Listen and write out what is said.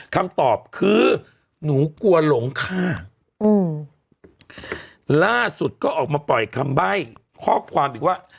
คำตอบคือหนูกลัวหลงฆ่าอืมล่าสุดก็ออกมาปล่อยคำใบ้ข้อความอีกว่า